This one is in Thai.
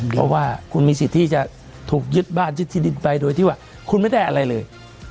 เพราะว่าคุณมีสิทธิ์ที่จะถูกยึดบ้านยึดที่ดินไปโดยที่ว่าคุณไม่ได้อะไรเลย